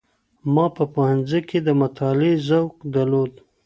ما په پوهنځي کي د مطالعې سوق درلود.